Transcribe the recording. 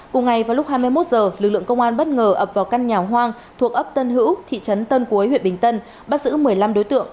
cùng ngày vào lúc hai mươi một h lực lượng công an bất ngờ ập vào căn nhà hoang thuộc ấp tân hữu thị trấn tân cuối huyện bình tân bắt giữ một mươi năm đối tượng